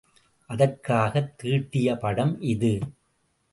அதற்காகத் தீட்டிய படம் இது.